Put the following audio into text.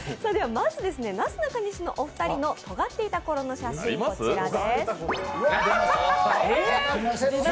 まずなすなかにしのお二人のとがっていた写真はこちらです。